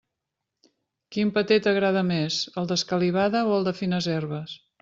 Quin paté t'agrada més, el d'escalivada o el de fines herbes?